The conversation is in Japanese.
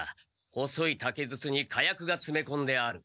細い竹筒に火薬がつめこんである。